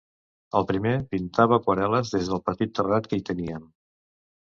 El primer pintava aquarel·les des del petit terrat que hi teníem.